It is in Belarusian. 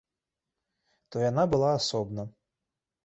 То яна была асобна.